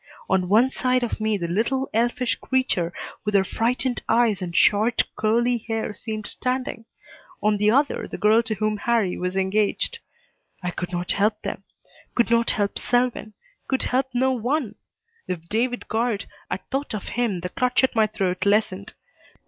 On one side of me the little, elfish creature with her frightened eyes and short, curly hair seemed standing; on the other, the girl to whom Harrie was engaged. I could not help them. Could not help Selwyn. Could help no one! If David Guard at thought of him the clutch at my throat lessened.